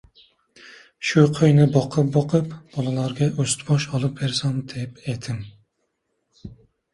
Shu qo‘yni boqib-boqib, bolalarga ust-bosh olib bersam deb edim.